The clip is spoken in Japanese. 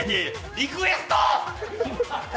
リクエストォ！